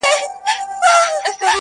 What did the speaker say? او قلندر صاحب ته يې توجه ونه کړه